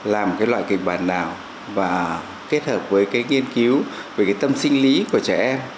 làm cái loại kịch bản nào và kết hợp với cái nghiên cứu về cái tâm sinh lý của trẻ em